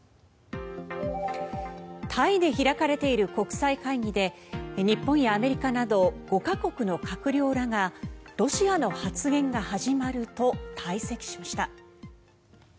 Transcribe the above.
タイで開かれている国際会議で日本やアメリカなど５か国の閣僚らがロシアの発言が始まると退席しました。